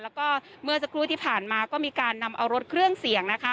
แล้วก็เมื่อสักครู่ที่ผ่านมาก็มีการนำเอารถเครื่องเสี่ยงนะคะ